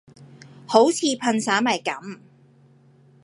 好似噴曬咪噉